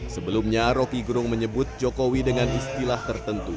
sebetulnya roky gerung menyebut jokowi dengan istilah tertentu